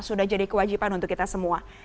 sudah jadi kewajiban untuk kita semua